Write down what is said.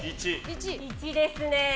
１ですね！